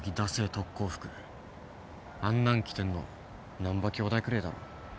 特攻服あんなん着てるの難破兄弟くれえだろ。